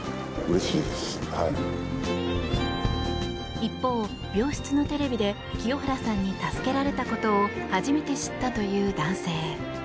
一方、病室のテレビで清原さんに助けられたことを初めて知ったという男性。